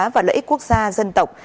và lợi ích quốc gia dân tộc